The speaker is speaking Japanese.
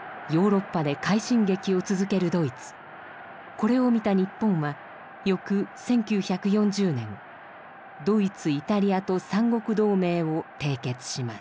これを見た日本は翌１９４０年ドイツイタリアと三国同盟を締結します。